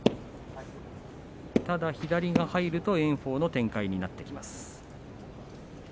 ただ左が入るといい炎鵬の展開になってきます。